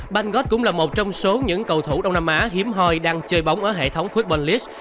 banggot cũng là một trong số những cầu thủ đông nam á hiếm hoi đang chơi bóng ở hệ thống football league